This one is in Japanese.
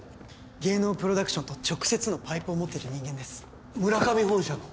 芸能プロダクションと直接のパイプを持ってる人間ですムラカミ本社の？